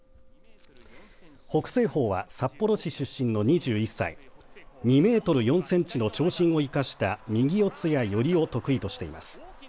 北青鵬は札幌市出身の２１歳２メートル４センチの長身を生かした右四つや寄りを得意としています。